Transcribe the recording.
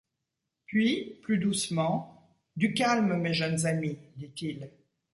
Puis, plus doucement :« Du calme, mes jeunes amis, dit-il.